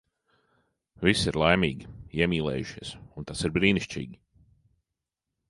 Visi ir laimīgi, iemīlējušies. Un tas ir brīnišķīgi.